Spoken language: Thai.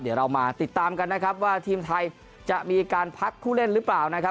เดี๋ยวเรามาติดตามกันนะครับว่าทีมไทยจะมีการพักผู้เล่นหรือเปล่านะครับ